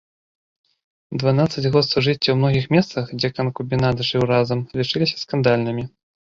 Дванаццаць год сужыцця ў многіх месцах, дзе канкубінат жыў разам, лічыліся скандальнымі.